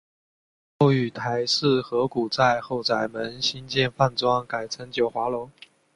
后与邰氏合股在后宰门兴建饭庄改称九华楼。